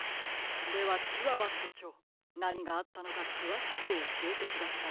ではチワワしょちょうなにがあったのかくわしくおしえてください。